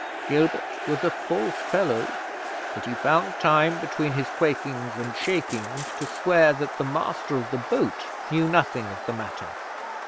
Gilbert was a false fellow, but he found time between his quakings and shakings to swear that the master of the boat knew nothing of the matter.